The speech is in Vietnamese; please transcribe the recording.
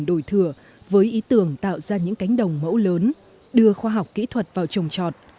đổi thừa với ý tưởng tạo ra những cánh đồng mẫu lớn đưa khoa học kỹ thuật vào trồng trọt